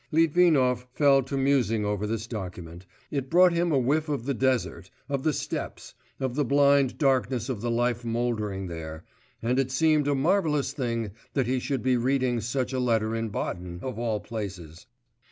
Litvinov fell to musing over this document; it brought him a whiff of the desert, of the steppes, of the blind darkness of the life mouldering there, and it seemed a marvellous thing that he should be reading such a letter in Baden, of all places.